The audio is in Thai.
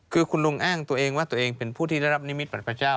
คือคุณลุงอ้างตัวเองว่าตัวเองเป็นผู้ที่ได้รับนิมิตประเจ้า